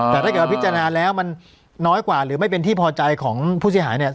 แต่ถ้าเกิดว่าพิจารณาแล้วมันน้อยกว่าหรือไม่เป็นที่พอใจของผู้เสียหายเนี่ย